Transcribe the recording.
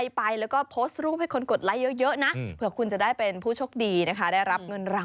อย่างว่ารุ่นใหญ่เขาประกวดกันแหละ